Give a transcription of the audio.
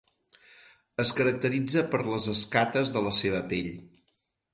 Es caracteritza per les escates de la seva pell.